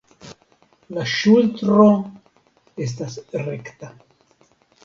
La ŝultro estas rekta.